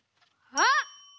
あっ！